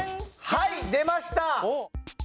はい出ました。